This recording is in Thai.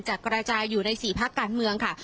กระจายอยู่ใน๔ภาคการเมืองค่ะ